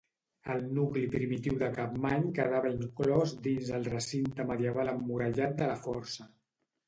El nucli primitiu de Capmany quedava inclòs dins el recinte medieval emmurallat de la Força.